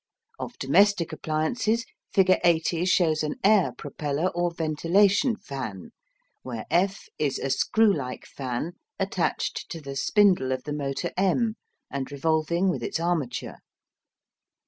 Of domestic appliances, figure 80 shows an air propeller or ventilation fan, where F is a screw like fan attached to the spindle of the motor M, and revolving with its armature.